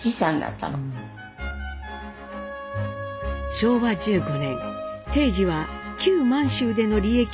昭和１５年貞次は旧満州での利益を手に帰国。